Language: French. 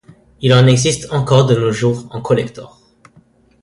Il en existe encore de nos jours en collector.